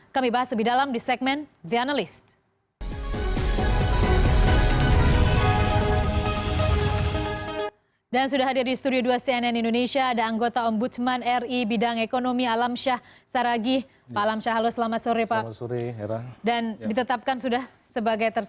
kami bahas lebih dalam di segmen the analyst